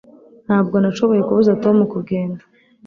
Ntabwo nashoboye kubuza Tom kugenda